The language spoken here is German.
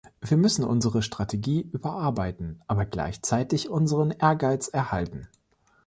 Wir müssen unsere Strategie überarbeiten, aber gleichzeitig unseren Ehrgeiz erhalten.